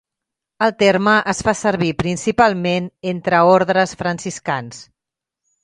El terme es fa servir principalment entre ordres franciscans.